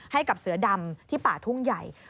ให้กับเสือดำที่ป่าทุ่งใหญ่